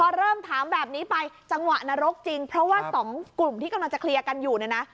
พอเริ่มถามแบบนี้ไปจังหวะนรกจริงเพราะว่าสองกลุ่มที่กำลังจะเคลียร์กันอยู่เนี่ยนะ